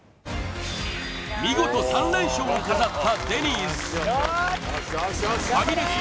見事３連勝を飾ったデニーズファミレス